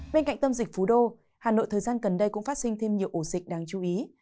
bên cạnh tâm dịch phú đô hà nội thời gian gần đây cũng phát sinh thêm nhiều ổ dịch đáng chú ý